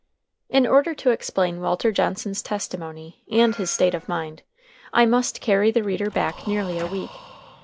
In order to explain Walter Johnson's testimony and his state of mind, I must carry the reader back nearly a week.